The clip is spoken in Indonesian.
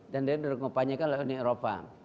dan dia ngepanyakan lewat uni eropa